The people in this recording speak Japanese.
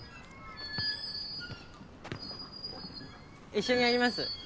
一緒にやります？